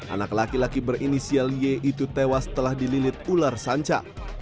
anak laki laki berinisial y itu tewas setelah dililit ular sanca